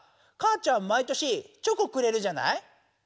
母ちゃん毎年チョコくれるじゃない？